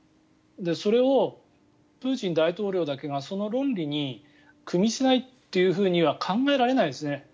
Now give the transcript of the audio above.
それをプーチン大統領だけがその論理にくみしないというようには考えられないですね。